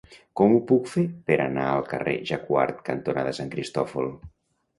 Com ho puc fer per anar al carrer Jacquard cantonada Sant Cristòfol?